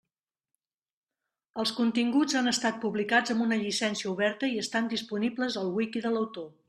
Els continguts han estat publicats amb una llicència oberta i estan disponibles al wiki de l'autor.